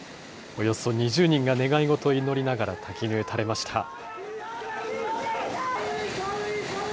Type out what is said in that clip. およそ２０人が願い事を祈りながら滝に打たれました。